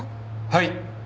はい。